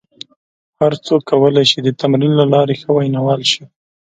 هر څوک کولای شي د تمرین له لارې ښه ویناوال شي.